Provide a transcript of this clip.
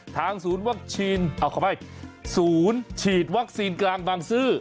ทางศูนย์วัคซีนเอาขออภัยศูนย์ฉีดวัคซีนกลางบางซื่อ